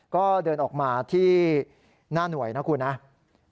ก็เดินออกมาที่หน้าหน่วยนะครับ